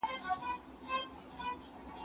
پاکوالي د زهشوم له خوا ساتل کيږي!؟